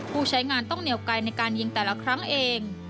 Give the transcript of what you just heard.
ผู้ใช้งานต้องเหนียวไกลในการยิงแต่ละครั้งเอง